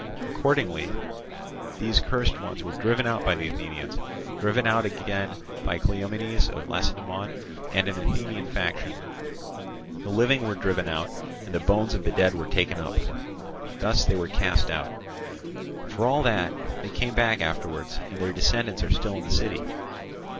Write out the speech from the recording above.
Accordingly these cursed ones were driven out by the Athenians, driven out again by Cleomenes of Lacedaemon and an Athenian faction; the living were driven out, and the bones of the dead were taken up; thus they were cast out. For all that, they came back afterwards, and their descendants are still in the city.